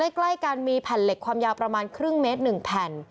ใกล้กันมีแผ่นเหล็กความยาวประมาณครึ่งเมตร๑แผ่น